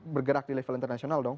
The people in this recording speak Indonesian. bergerak di level internasional dong